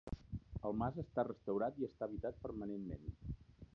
El mas està restaurat i està habitat permanentment.